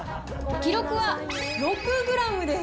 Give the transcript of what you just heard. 記録は６グラムです。